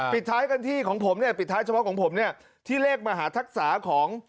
ปิดท้ายเฉพาะของผมที่เลขมหาธักษาของ